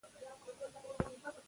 سیاسي پوهاوی د افراط مخه نیسي